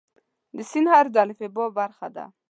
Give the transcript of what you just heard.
د "س" حرف د الفبا برخه ده.